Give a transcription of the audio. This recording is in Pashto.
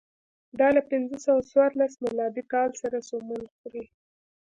دا له پنځه سوه څوارلس میلادي کال سره سمون خوري.